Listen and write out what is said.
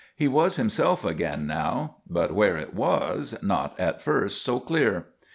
He was himself, again now, but where it was not at first so clear.